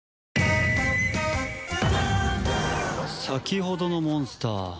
先ほどのモンスター